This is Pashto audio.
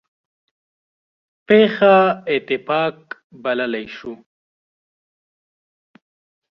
پېښه اتفاق بللی شو.